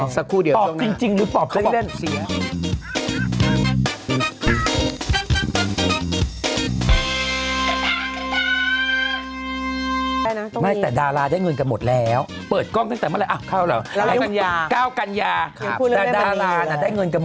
สักครู่เดียวตรงนี้ปอบจริงหรือปอบเขาปอบ